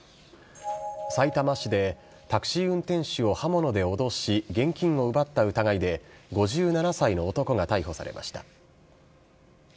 さいたま市でタクシー運転手を刃物で脅し、現金を奪った疑いで、５７歳の男が逮捕されました。